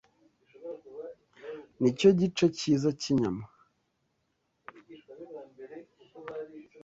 Nicyo gice cyiza cyinyama.